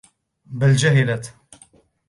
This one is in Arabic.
بَلْ جَهِلْتُ